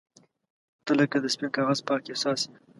• ته لکه د سپین کاغذ پاک احساس یې.